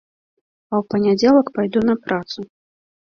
А ў панядзелак пайду на працу.